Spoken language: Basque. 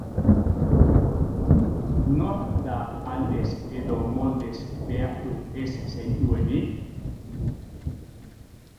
Nor da aldez edo moldez behartu ez zaituenik?